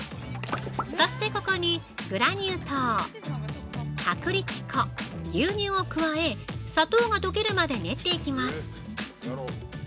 そしてここにグラニュー糖、薄力粉、牛乳を加え、砂糖が溶けるまで練っていきます。